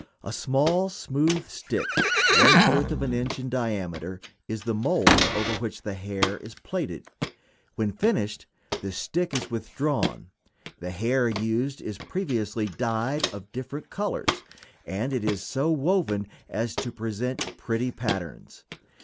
A small smooth stick, one fourth of an inch in diameter, is the mold over which the hair is plaited. When finished, the stick is withdrawn. The hair used is previously dyed of different colors, and it is so woven as to present pretty patterns.